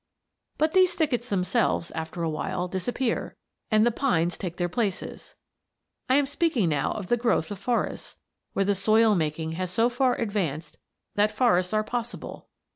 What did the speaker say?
But these thickets themselves, after a while, disappear, and pines take their places. I am speaking now of the growth of forests, where the soil making has so far advanced that forests are possible.